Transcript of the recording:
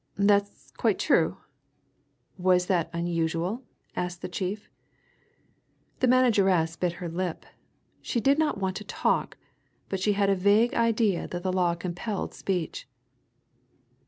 "That's quite true." "Was that unusual?" asked the chief. The manageress bit her lip. She did not want to talk, but she had a vague idea that the law compelled speech.